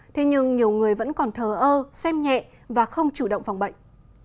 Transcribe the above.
thế nhưng nhiều người vẫn còn thờ ơ xem nhẹ và không chủ động phòng bệnh